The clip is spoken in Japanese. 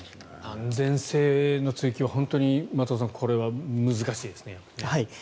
安全性の追求は松尾さん、本当にこれは難しいですね。